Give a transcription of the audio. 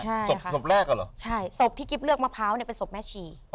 ใช่ศพแรกอ่ะเหรอใช่ศพที่กิ๊บเลือกมะพร้าวเนี่ยเป็นศพแม่ชี